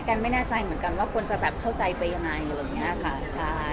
กันไม่แน่ใจเหมือนกันว่าควรจะเข้าใจไปยังไงหรืออย่างนี้ค่ะ